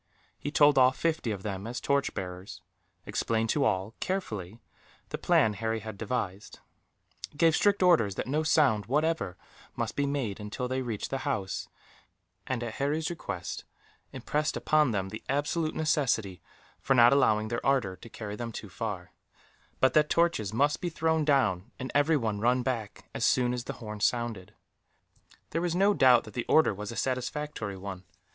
He told off fifty of them as torch bearers; explained to all, carefully, the plan Harry had devised; gave strict orders that no sound, whatever, must be made until they reached the houses and, at Harry's request, impressed upon them the absolute necessity for not allowing their ardour to carry them too far; but that torches must be thrown down, and everyone run back, as soon as the horn sounded. There was no doubt that the order was a satisfactory one.